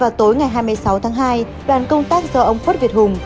và tối ngày hai mươi sáu tháng hai đoàn công tác do ông phất việt hùng